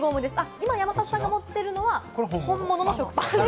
今、山里さんが持っているのは本物の食パン。